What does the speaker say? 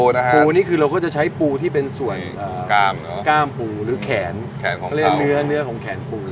ปูนี่คือเราก็จะใช้ปูที่เป็นส่วนกล้ามปูหรือแขนของเขาเล่นเนื้อของแขนปู